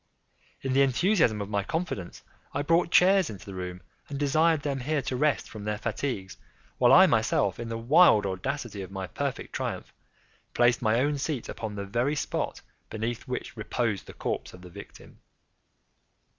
In the enthusiasm of my confidence, I brought chairs into the room, and desired them here to rest from their fatigues, while I myself, in the wild audacity of my perfect triumph, placed my own seat upon the very spot beneath which reposed the corpse of the victim.